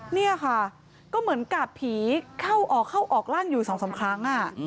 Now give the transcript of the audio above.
เนี่ยค่ะก็เหมือนกับพี่เข้าออกล่างอยู่สามครั้ง